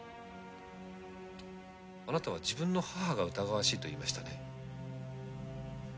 あなたは自分の母が疑わしいと言いましたね？